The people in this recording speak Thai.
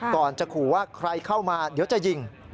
ก่อนจะขู่ว่าใครเข้ามาเดี๋ยวจะยิง